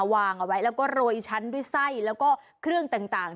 วางเอาไว้แล้วก็โรยชั้นด้วยไส้แล้วก็เครื่องต่าง